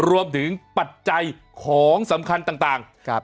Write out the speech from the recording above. รวมถึงปัจจัยของสำคัญต่างต่างครับ